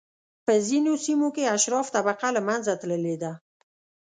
په ځینو سیمو کې اشراف طبقه له منځه تللې ده.